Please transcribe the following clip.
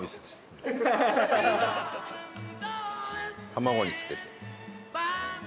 卵につけて。